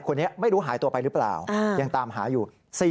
คนนี้ไม่รู้หายตัวไปหรือเปล่ายังตามหาอยู่